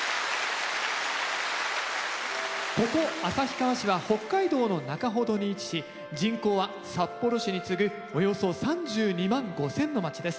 ここ旭川市は北海道の中ほどに位置し人口は札幌市に次ぐおよそ３２万５，０００の街です。